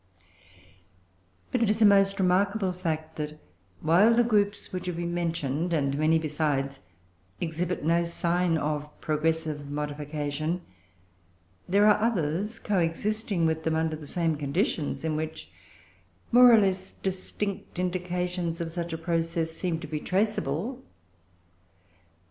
But it is a most remarkable fact, that, while the groups which have been mentioned, and many besides, exhibit no sign of progressive modification, there are others, co existing with them, under the same conditions, in which more or less distinct indications of such a process seems to be traceable.